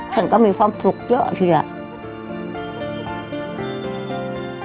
ฉันก็มีความสุขเยอะทีเดียว